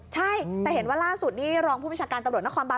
ใช่แต่เห็นว่าล่าสุดนี้รองผู้ประชาการตำรวจนครบาน